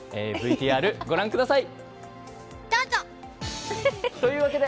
ＶＴＲ、ご覧ください！